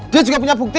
dia juga punya bukti